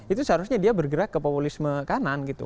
itu seharusnya dia bergerak ke populisme kanan gitu